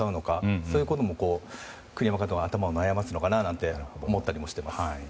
そういうことにも栗山監督の頭を悩ますのかなと思ったりもしてます。